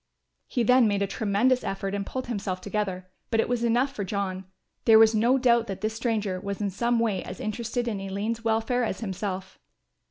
He then made a tremendous effort and pulled himself together, but it was enough for John, there was no doubt that this stranger was in some way as interested in Aline's welfare as himself.